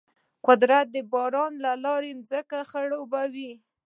قدرت د باران له لارې ځمکه خړوبوي.